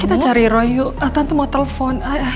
kita cari roy yuk tante mau telepon